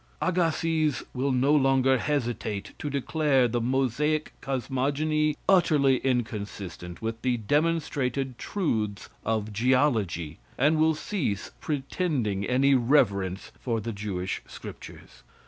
Agassiz will no longer hesitate to declare the Mosaic cosmogony utterly inconsistent with the demonstrated truths of geology, and will cease pretending any reverence for the Jewish scriptures.